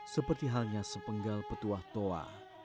seperti halnya sepenggal petuah toa